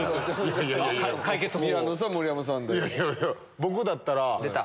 僕だったら。